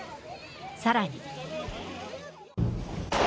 さらに。